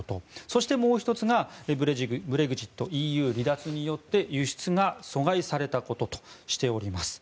そしてもう１つがブレグジット、ＥＵ離脱によって輸出が阻害されたこととしています。